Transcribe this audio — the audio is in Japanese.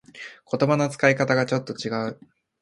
言葉の使い方がちょっと違う